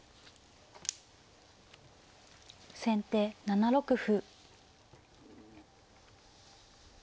先手７六歩。